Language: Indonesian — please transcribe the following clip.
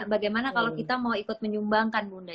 bagaimana kalau kita mau ikut menyumbangkan bunda